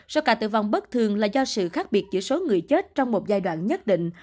số ca tử vong bất thường là do sự khác biệt giữa số người chết trong một giai đoạn nhất định